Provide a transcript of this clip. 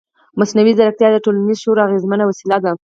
مصنوعي ځیرکتیا د ټولنیز شعور اغېزمنه وسیله ده.